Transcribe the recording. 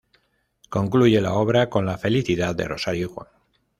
Concluye la obra con la felicidad de Rosario y Juan.